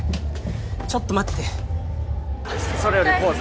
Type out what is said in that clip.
ちょっと待ってそれより康祐